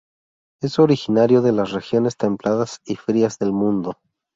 Es originario de las regiones templadas y frías del mundo.